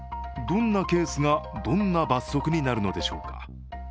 どんなケースがどんな罰則になるでしょうか。